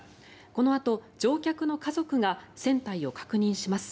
このあと乗客の家族が船体を確認します。